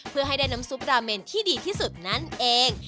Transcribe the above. เพื่อให้ได้น้ำซุปราเมนที่ดีที่สุดนั่นเอง